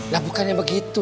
lah bukannya begitu